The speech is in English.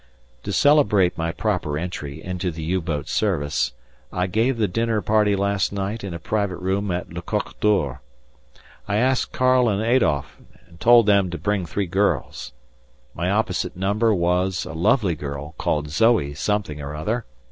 To celebrate my proper entry into the U boat service, I gave a dinner party last night in a private room at "Le Coq d'Or." I asked Karl and Adolf, and told them to bring three girls. My opposite number was a lovely girl called Zoe something or other.